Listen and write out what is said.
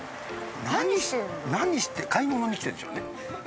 何して買い物に来てるんでしょうね。